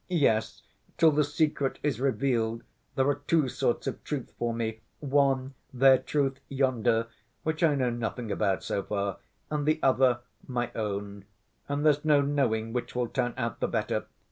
Yes, till the secret is revealed, there are two sorts of truths for me—one, their truth, yonder, which I know nothing about so far, and the other my own. And there's no knowing which will turn out the better....